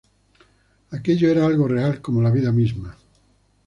Aquello era algo real como la vida misma